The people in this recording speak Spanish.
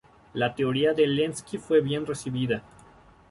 La teoría de Lenski fue bien recibida.